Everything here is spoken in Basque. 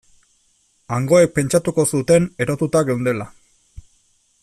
Hangoek pentsatuko zuten erotuta geundela.